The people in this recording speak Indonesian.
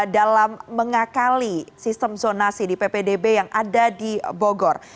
dalam mengakali sistem zonasi di ppdb yang ada di bogor